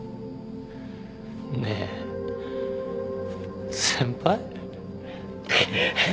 ねえ先輩。